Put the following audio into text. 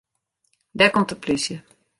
Dêr komt de plysje.